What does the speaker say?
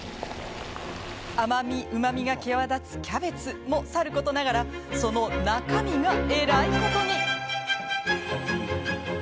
甘み、うまみが際立つキャベツもさることながらその中身がえらいことに。